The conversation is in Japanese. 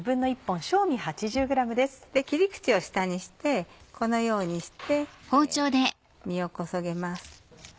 切り口を下にしてこのようにして実をこそげます。